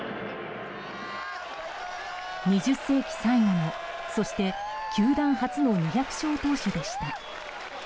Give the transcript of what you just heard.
２０世紀最後の、そして球団初の２００勝投手でした。